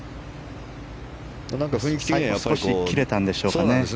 少し切れたんでしょうかね。